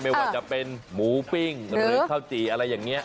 ไม่ว่าจะเป็นหมูปิ้งหรือข้าวจี่อะไรอย่างนี้